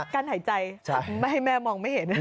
กั้นหายใจไม่ให้แม่มองไม่เห็น